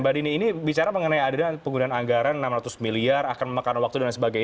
mbak dini ini bicara mengenai adanya penggunaan anggaran enam ratus miliar akan memakan waktu dan sebagainya